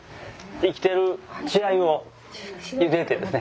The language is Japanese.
生きてる稚あゆをゆでてですね。